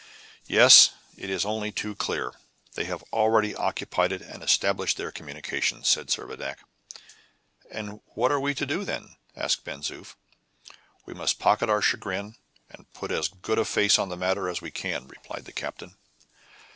"Yes, it is only too clear; they have already occupied it, and established their communications," said Servadac. "And what are we to do, then?" asked Ben Zoof. "We must pocket our chagrin, and put as good a face on the matter as we can," replied the captain.